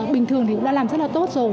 bình thường thì đã làm rất là tốt rồi